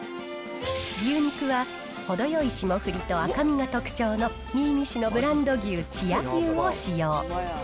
牛肉は程よい霜降りと赤身が特徴の新見市のブランド牛、千屋牛を使用。